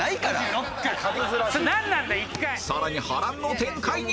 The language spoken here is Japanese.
さらに波乱の展開に！